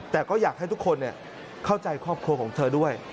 แต่ก็อยากให้ทุกคนเข้าใจครอบครัวของเธอด้วย